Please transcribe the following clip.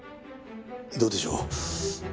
どうでしょう？